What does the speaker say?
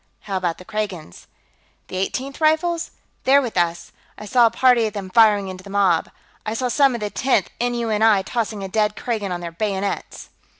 "How about the Kragans?" "The Eighteenth Rifles? They're with us. I saw a party of them firing into the mob; I saw some of the Tenth N.U.N.I. tossing a dead Kragan on their bayonets...."